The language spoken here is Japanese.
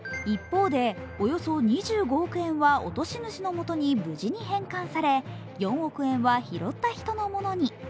一方で、およそ２５億円は落とし主の元に無事に返還され４億円は拾った人のものに。